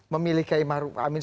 memilih kaimah amin